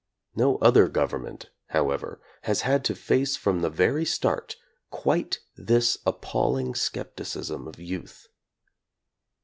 No other government, however, has had to face from the very start quite this appalling skepticism of youth.